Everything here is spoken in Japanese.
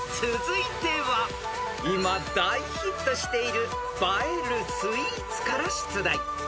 続いては今大ヒットしている映えるスイーツから出題］